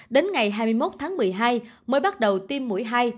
đến ngày hai mươi một tháng một mươi hai mới bắt đầu tiêm mũi hai